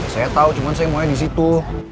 saya tahu cuma saya mulai di situ